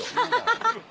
ハハハハ！